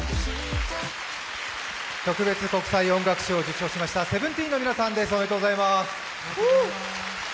特別国際音楽賞を受賞しましたＳＥＶＥＮＴＥＥＮの皆さんです。